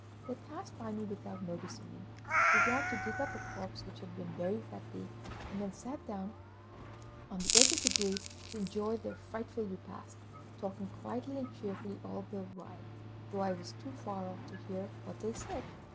They passed by me without noticing me, began to dig up a corpse which had been buried that day, and then sat down on the edge of the grave, to enjoy their frightful repast, talking quietly and cheerfully all the while, though I was too far off to hear what they said.